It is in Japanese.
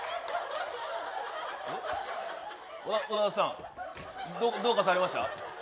小田さんどうかされました？